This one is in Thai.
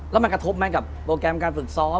แล้วมันกระทบไหมกับโปรแกรมการฝึกซ้อม